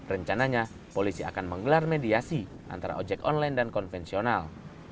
rencananya polisi akan menggelar mediasi antara ojek online dan konvensional